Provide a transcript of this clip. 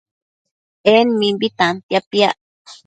En mimbi tantia piac